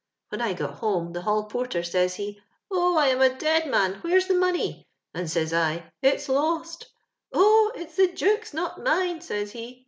When I got home the hall porter, says he, * Oh, I am a dead man ; where's the money ?' and says I, * It's lost.' * Oh I it's the Duke's, not mine,' says he.